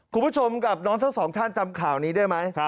คุณผู้ชมกับน้องทั้งสองท่านจำข่าวนี้ได้ไหม